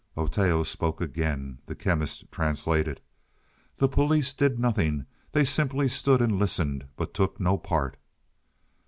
Oteo spoke again. The Chemist translated. "The police did nothing. They simply stood and listened, but took no part."